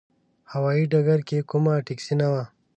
هوايي ډګر کې کومه ټکسي نه وه.